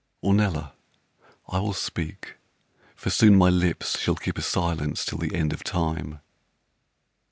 Ornella, I will speak, for soon my lips Shall keep a silence till the end of time.